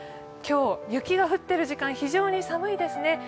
今日雪が降っている時間、非常に寒いですね。